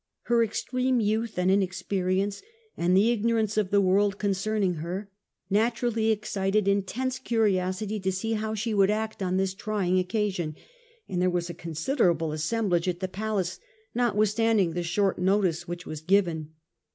Her extreme youth and inexperience, and the ignorance of the world con cerning her, naturally excited intense curiosity to see how she would act on this trying occasion, and there was a considerable assemblage at the palace, notwith standing the short notice which was given.